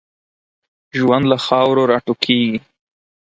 ژوند له خاورو را ټوکېږي.